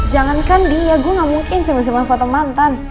jangankan dia gue gak mungkin simpen simpen foto mantan